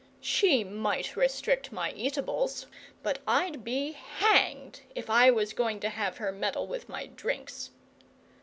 (She might restrict my eatables, but I'd be hanged if I was going to have her meddle with my drinks.)